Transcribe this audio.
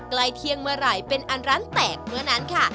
ไก่เทียงมรรไหลเป็นอันร้านแตกเมื่อนั้นค่ะ